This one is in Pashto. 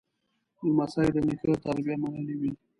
لمسی د نیکه تربیه منلې وي.